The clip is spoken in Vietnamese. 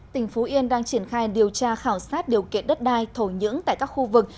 tỉnh phú yên đang triển khai điều tra khảo sát điều kiện đất đai thổ nhưỡng tại các khu vực